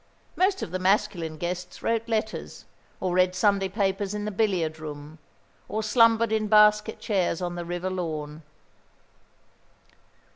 Most of the masculine guests wrote letters, or read Sunday papers in the billiard room, or slumbered in basket chairs on the river lawn.